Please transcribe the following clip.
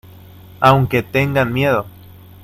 aunque tengan miedo.